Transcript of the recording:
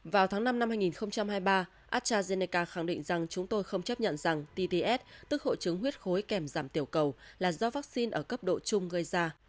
vào tháng năm năm hai nghìn hai mươi ba astrazeneca khẳng định rằng chúng tôi không chấp nhận rằng tts tức hội chứng huyết khối kèm giảm tiểu cầu là do vaccine ở cấp độ chung gây ra